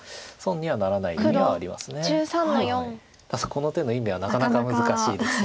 この手の意味はなかなか難しいです。